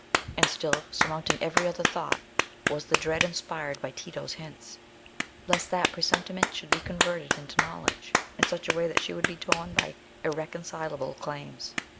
And still surmounting every other thought was the dread inspired by Tito's hints, lest that presentiment should be converted into knowledge, in such a way that she would be torn by irreconcilable claims.